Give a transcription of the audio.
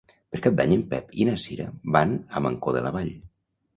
Per Cap d'Any en Pep i na Cira van a Mancor de la Vall.